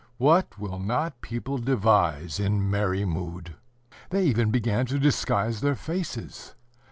What will not people devise in merry mood! They even began to disguise their faces.